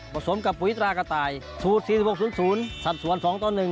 สมกับปุ๋ยตรากระต่ายสูตร๔๖๐๐สัดส่วน๒ต่อ๑